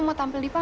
gimana aja pak